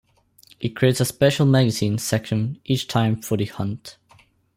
It creates a special magazine section each time for the Hunt.